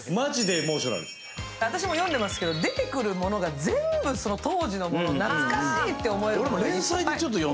私も読んでますけど、出てくるものが全部当時のもの、懐かしいって思えるものがいっぱい。